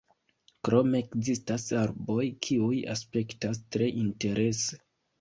Krome ekzistas arboj, kiuj aspektas tre interese.